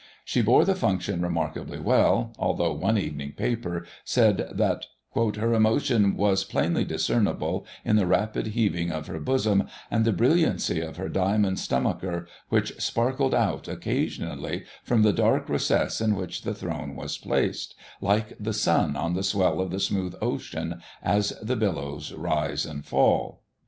She bore the function remarkably well, although one evening paper said that " Her ' emotion was plainly discernible in the rapid heaving of her bosom, and the brilliancy of her diamond stomacher, which sparkled out occasionally from the dark recess in which the throne was placed, like the sun on the swell of the smooth ocean, as the billows rise and fall"!